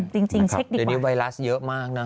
จริงเช็คดิเดี๋ยวนี้ไวรัสเยอะมากนะ